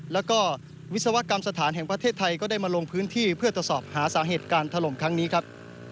แล้วก็วิศวกรรมสถานแห่งประเทศไทยก็ได้มาลงพื้นที่เพื่อตรวจสอบหาสาเหตุการถล่มครั้งนี้ครับ